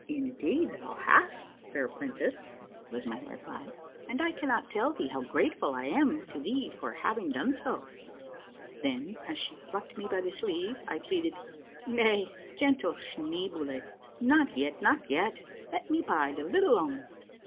" Indeed thou hast, fair princess," was my reply ;" and I cannot tell thee how grateful I am to thee for liaving done so." Then, as she plucked me by the sleeve, I pleaded, "Nay, gentle Schneeboule, not yet, not yet, let me bide a bit longer.